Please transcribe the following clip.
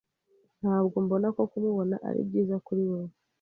Ntabwo mbona ko kumubona ari byiza kuri wewe.